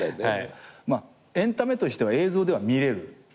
エンタメとしては映像では見れる。